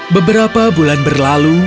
beberapa bulan berlalu